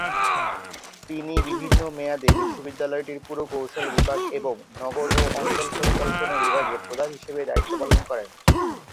তিনি বিভিন্ন মেয়াদে বিশ্ববিদ্যালয়টির পুরকৌশল বিভাগ এবং নগর ও অঞ্চল পরিকল্পনা বিভাগের প্রধান হিসেবে দায়িত্ব পালন করেন।